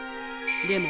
「でも」